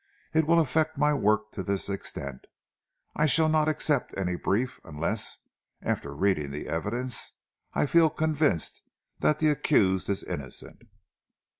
"It will affect my work to this extent. I shall not accept any brief unless, after reading the evidence, I feel convinced that the accused is innocent."